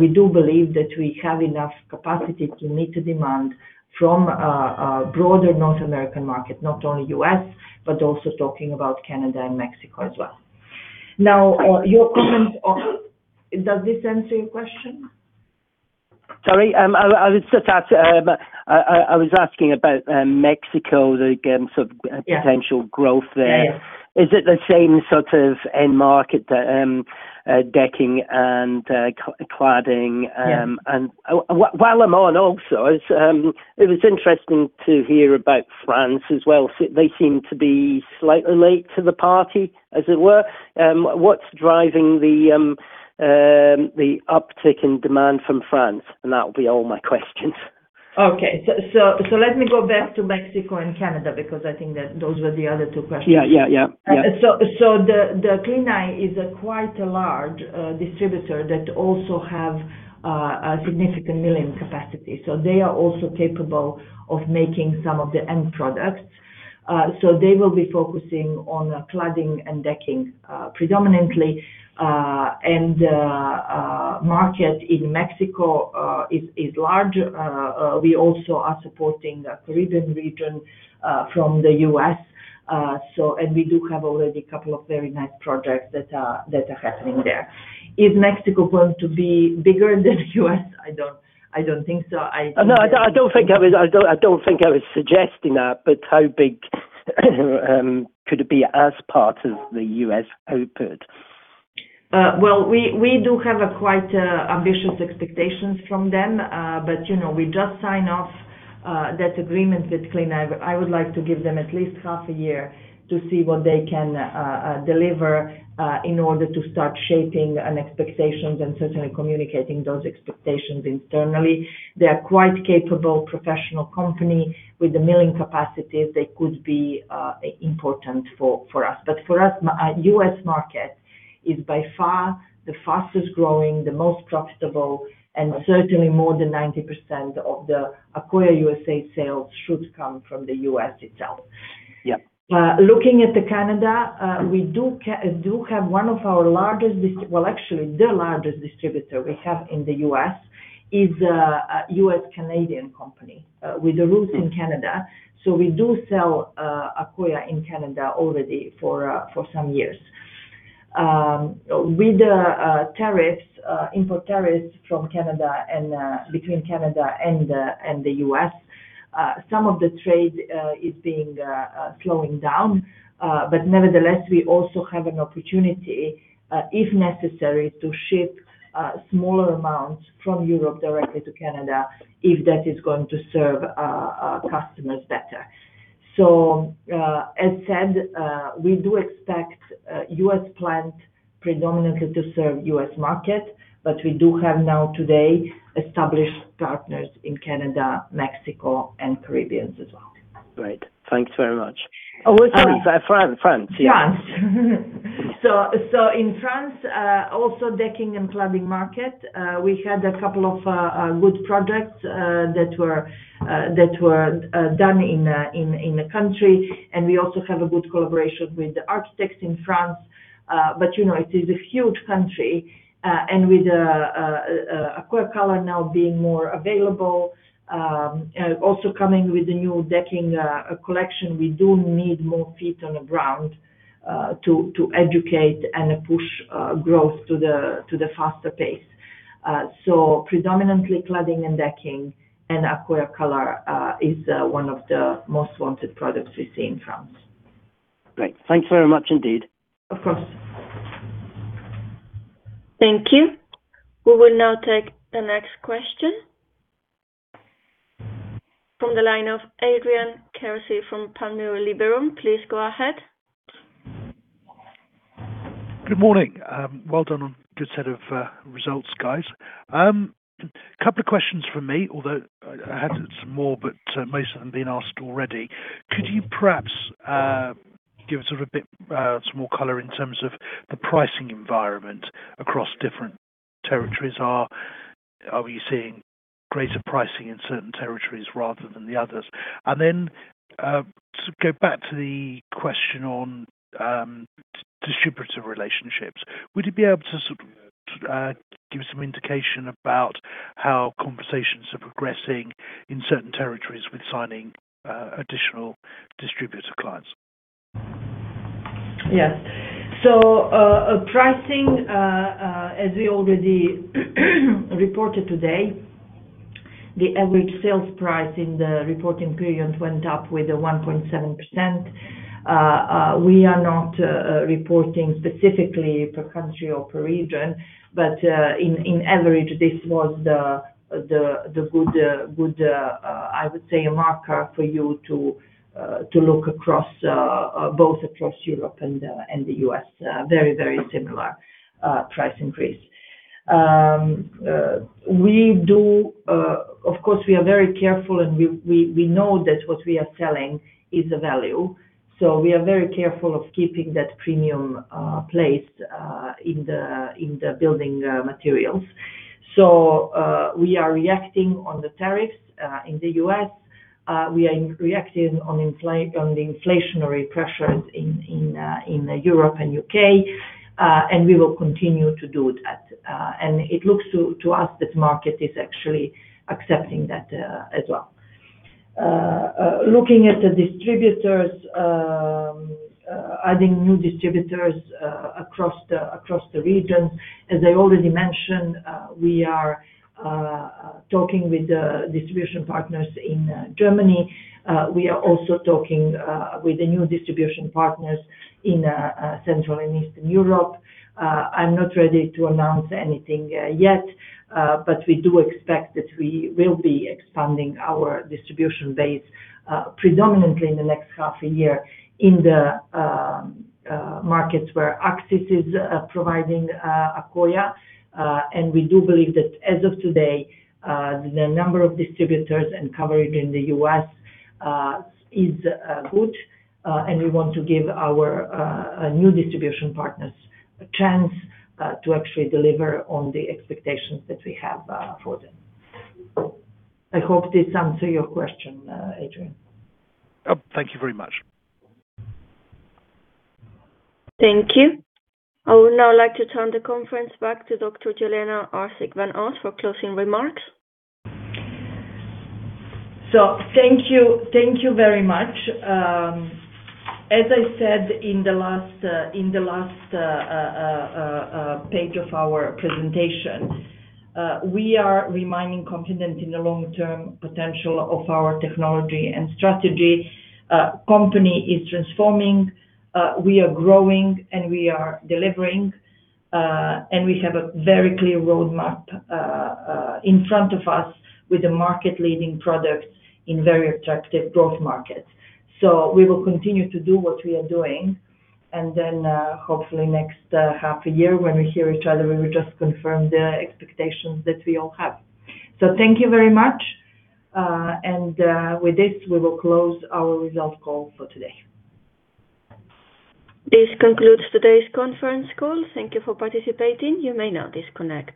We do believe that we have enough capacity to meet the demand from a broader North American Market, not only U.S., but also talking about Canada and Mexico as well. Now, your comment, does this answer your question? Sorry. I was just asking about Mexico, the sort of potential growth there. Is it the same sort of end market that decking and cladding? While I'm on also, it was interesting to hear about France as well. They seem to be slightly late to the party, as it were. What's driving the uptick in demand from France? That will be all my questions. Okay. Let me go back to Mexico and Canada because I think that those were the other two questions. Yeah. The Klinai is quite a large distributor that also has a significant milling capacity. They are also capable of making some of the end products. They will be focusing on cladding and decking predominantly. The market in Mexico is large. We also are supporting the Caribbean region from the U.S. We do have already a couple of very nice projects that are happening there. Is Mexico going to be bigger than the U.S.? I don't think so. I do not think I was suggesting that, but how big could it be as part of the U.S. output? We do have quite ambitious expectations from them. We just signed off that agreement with Klinai. I would like to give them at least half a year to see what they can deliver in order to start shaping expectations and certainly communicating those expectations internally. They are quite capable professional companies with the milling capacities. They could be important for us. For us, the U.S. Market is by far the fastest growing, the most profitable, and certainly more than 90% of the Accoya USA sales should come from the U.S. itself. Looking at Canada, we do have one of our largest, well, actually, the largest distributor we have in the U.S. is a US-Canadian company with roots in Canada. We do sell Accoya in Canada already for some years. With import tariffs from Canada and between Canada and the US, some of the trade is slowing down. Nevertheless, we also have an opportunity, if necessary, to ship smaller amounts from Europe directly to Canada if that is going to serve customers better. As said, we do expect U.S. plant predominantly to serve the U.S. Market, but we do have now today established partners in Canada, Mexico, and Caribbeans as well. Right. Thanks very much. Oh, sorry. France. Yeah. France. In France, also decking and cladding market, we had a couple of good projects that were done in the country. We also have a good collaboration with the Architects in France. It is a huge country. With Accoya Color now being more available, also coming with the new decking collection, we do need more feet on the ground to educate and push growth to a faster pace. Predominantly cladding and decking and Accoya Color is one of the most wanted products we see in France. Great. Thanks very much indeed. Of course. Thank you. We will now take the next question from the line of Adrian Kearsey from Panmure Liberum. Good morning. Well done on a good set of results, guys. A couple of questions from me, although I had some more, but most of them have been asked already. Could you perhaps give us a bit more color in terms of the pricing environment across different territories? Are we seeing greater pricing in certain territories rather than the others? To go back to the question on distributor relationships, would you be able to sort of give us some indication about how conversations are progressing in certain territories with signing additional distributor clients? Yes. Pricing, as we already reported today, the average sales price in the reporting period went up with a 1.7%. We are not reporting specifically per country or per region, but in average, this was the good, I would say, marker for you to look across both across Europe and the U.S. Very, very similar price increase. Of course, we are very careful, and we know that what we are selling is a value. We are very careful of keeping that premium place in the building materials. We are reacting on the tariffs in the US. We are reacting to the inflationary pressures in Europe and the U.K., and we will continue to do that. It looks to us that the market is actually accepting that as well. Looking at the distributors, adding new distributors across the regions. As I already mentioned, we are talking with the distribution partners in Germany. We are also talking with the new distribution partners in Central and Eastern Europe. I'm not ready to announce anything yet, but we do expect that we will be expanding our distribution base predominantly in the next half a year in the markets where Accsys is providing Accoya. We do believe that as of today, the number of distributors and coverage in the US is good. We want to give our new distribution partners a chance to actually deliver on the expectations that we have for them. I hope this answers your question, Adrian. Thank you very much. Thank you. I would now like to turn the conference back to Dr. Jelena Arsic van Os for closing remarks. Thank you very much. As I said in the last page of our presentation, we are remaining confident in the long-term potential of our technology and strategy. The company is transforming. We are growing, and we are delivering. We have a very clear roadmap in front of us with a market-leading product in very attractive growth markets. We will continue to do what we are doing. Hopefully next half a year when we hear each other, we will just confirm the expectations that we all have. Thank you very much. With this, we will close our result call for today. This concludes today's conference call. Thank you for participating. You may now disconnect.